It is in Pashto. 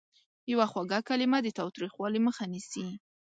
یوه خوږه کلمه د تاوتریخوالي مخه نیسي.